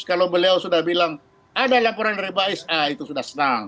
kalau beliau sudah bilang ada laporan dari bais ah itu sudah senang